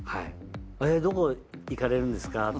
えっどこ行かれるんですか？